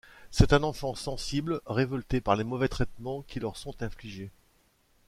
C'est un enfant sensible, révolté par les mauvais traitements qui leur sont infligés.